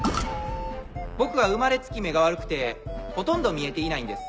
僕は生まれつき目が悪くてほとんど見えていないんです。